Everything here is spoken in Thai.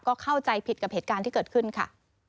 ก็เข้าใจผิดกับเหตุการณ์ที่เกิดขึ้นค่ะ